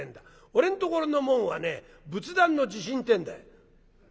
俺んところの紋はね仏壇の地震ってえんだよ」。